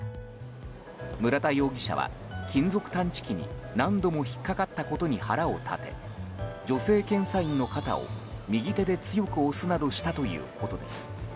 村田容疑者は金属探知機に何度も引っかかったことに腹を立て女性検査員の肩を右手で強く押すなどしたということです。